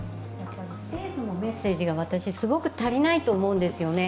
政府のメッセージがすごく足りないと思うんですよね。